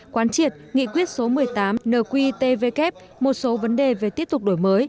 quan triệt nghị quyết số một mươi tám nqitvk một số vấn đề về tiếp tục đổi mới